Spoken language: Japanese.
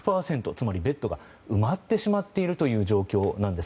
つまりベッドが埋まってしまっているという状況なんです。